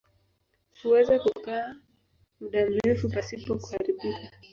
Huweza kukaa muda mrefu pasipo kuharibika.